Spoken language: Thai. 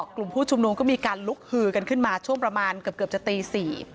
กลุ่มผู้ชุมนุมก็มีการลุกฮือกันขึ้นมาช่วงประมาณเกือบจะตี๔